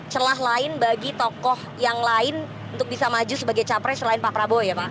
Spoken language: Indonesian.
celah lain bagi tokoh yang lain untuk bisa maju sebagai capres selain pak prabowo ya pak